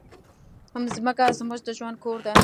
مځکه زموږ د ژوند کور ده.